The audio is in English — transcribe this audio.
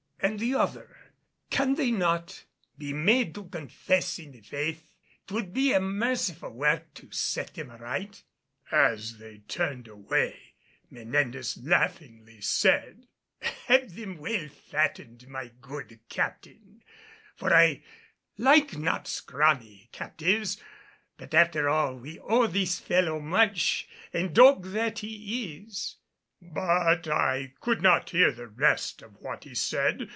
"And the other? Can they not be made to confess in the Faith? 'Twould be a merciful work to set them aright." As they turned away, Menendez laughingly said, "Have them well fattened, my good Captain, for I like not scrawny captives. But after all we owe this fellow much, and dog that he is " but I could not hear the rest of what he said.